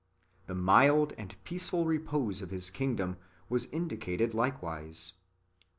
^ The mild and peaceful repose of His kino dom was indicated likewise.